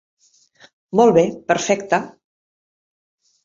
Molt bé, perfecte.